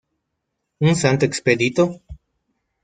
Un Santo Expedito?